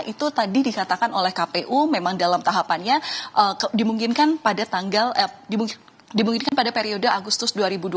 itu tadi dikatakan oleh kpu memang dalam tahapannya dimungkinkan pada tanggal dimungkinkan pada periode agustus dua ribu dua puluh